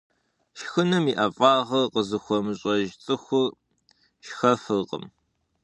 Шхыным и ӀэфӀагъыр къызыхуэмыщӀэж цӀыхур шхэфыркъым.